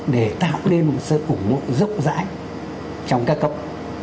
để tạo nên một sự ủng hộ rốc rãi trong các cộng